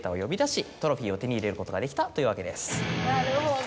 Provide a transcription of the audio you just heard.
なるほど。